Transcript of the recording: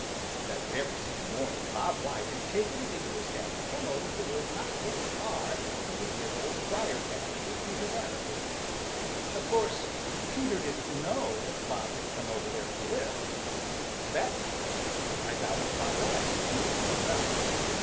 = |THAT very same morning Bob White had taken it into his head to come over to live not very far from the dear Old Briar patch where Peter Rabbit lives. Of course, Peter didn't know that Bob had come over there to live. For that matter, I doubt if Bob White knew it himself.